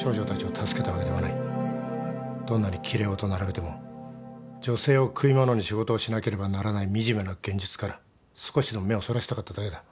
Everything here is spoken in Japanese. どんなに奇麗事を並べても女性を食い物に仕事をしなければならない惨めな現実から少しでも目をそらしたかっただけだ。